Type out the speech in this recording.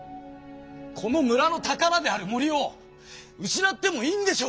この村のたからである森を失ってもいいんでしょうか？